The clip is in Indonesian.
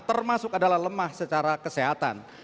termasuk adalah lemah secara kesehatan